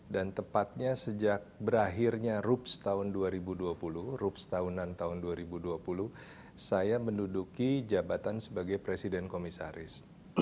dan tepatnya sejak berakhirnya rups tahun dua ribu dua puluh rups tahunan tahun dua ribu dua puluh saya menduduki jabatan sebagai presiden komisaris